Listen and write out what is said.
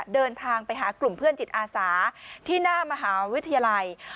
เดินทางไปหากลุ่มเพื่อนจิตอาสาที่หน้ามหาวิทยาลัย